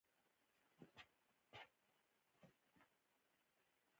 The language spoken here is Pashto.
د منځلارۍ پریښودل ستونزې جوړوي.